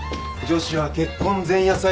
女子は結婚前夜祭